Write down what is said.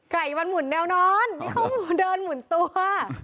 วันหมุนแนวนอนนี่เขาเดินหมุนตัว